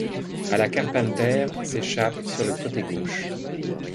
À la Carpenter s'échappe sur le côté gauche.